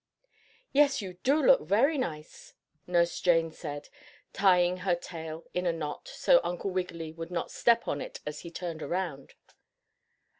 "Yes, you do look very nice," Nurse Jane said, tying her tail in a knot so Uncle Wiggily would not step on it as he turned around.